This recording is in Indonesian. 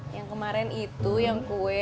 yang kemarin itu yang kue